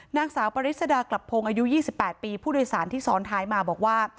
นางสาวปริศดากลับพงศ์อายุ๒๘ปีผู้โดยสารที่ซ้อนท้ายมาบอกว่า